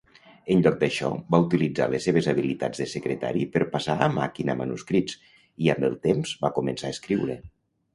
En lloc d'això, va utilitzar les seves habilitats de secretari per passar a màquina manuscrits, i amb el temps va començar a escriure.